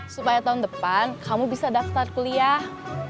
supaya tahun depan kamu bisa daftar kuliah